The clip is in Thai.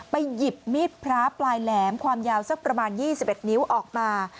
หยิบมีดพระปลายแหลมความยาวสักประมาณ๒๑นิ้วออกมา